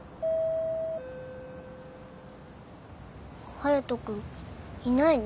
隼人君いないの？